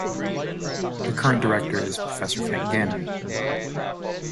The current Director is Professor Frank Gannon.